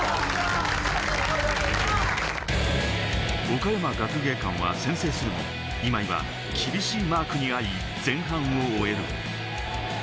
岡山学芸館は先制するも、今井は厳しいマークに遭い、前半を終える。